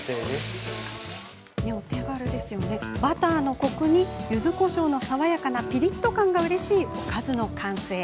バターのコクに、ゆずこしょうの爽やかなピリっと感がうれしいおかずの完成。